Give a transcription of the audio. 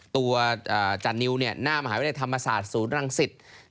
ตัวจันนิวเนี่ยหน้ามหาวิทยาลัยธรรมศาสตร์ศูนย์รังศิษย์